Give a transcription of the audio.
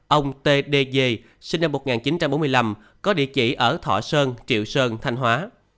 ba ông t d g sinh năm một nghìn chín trăm bốn mươi năm có địa chỉ ở thọ sơn triệu sơn thanh hóa